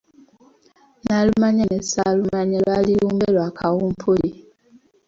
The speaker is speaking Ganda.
Nalumanya ne Ssaalumanya lwali lumbe lwa Kawumpuli.